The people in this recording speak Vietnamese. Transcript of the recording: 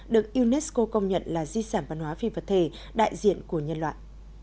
được unesco công nhận là di sản văn hóa phi vật thể đại diện của nhân loại